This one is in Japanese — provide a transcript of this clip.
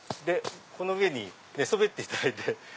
この上に寝そべっていただいて。